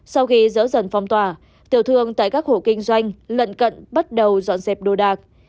sau khi dỡ dần phong tỏa tiểu thương tại các hộ kinh doanh lận cận bắt đầu dọn dẹp đồ đạc